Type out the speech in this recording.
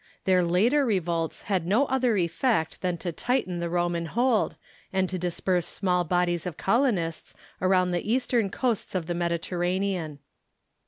Their later revolts had no other effect than to tighten the Roman hold, and to disperse small bodies of colonists around the eastern coasts of the Mediterranean.